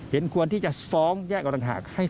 ควรที่จะฟ้องแยกออกต่างหาก